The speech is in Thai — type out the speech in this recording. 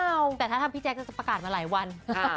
เอาแต่ถ้าทำพี่แจ๊คจะประกาศมาหลายวัน